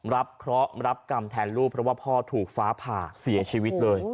รับเคราะห์รับกรรมแทนลูกเพราะว่าพ่อถูกฟ้าผ่าเสียชีวิตเลย